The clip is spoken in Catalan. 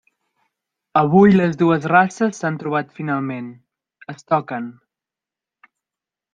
Avui, les dues races s'han trobat finalment; es toquen.